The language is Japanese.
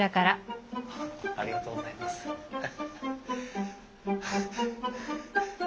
ありがとうございますハハ。